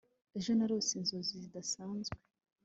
ejo narose inzozi zidasanzwe